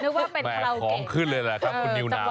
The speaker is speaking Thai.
นึกว่าเป็นเคราะห์เก่งแม่ของขึ้นเลยแหละครับคุณนิวนาว